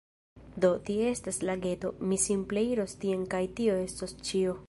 Do, tie estas lageto; mi simple iros tien kaj tio estos ĉio